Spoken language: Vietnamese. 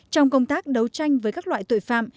trong công tác đấu tranh với các loại tội phạm